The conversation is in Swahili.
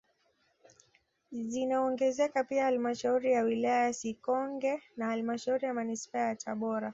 Zinaongezeka pia halmashauri ya wilaya ya Sikonge na halmashauri ya manispaa ya Tabora